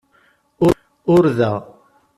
Ur da.